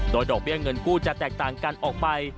โดยดอกเบี้ยเงินกู้จะแตกต่างกันออกไป